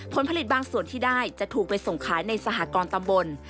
ผลผลิตบางส่วนที่ได้จะถูกไปส่งขายในสหกรตำบล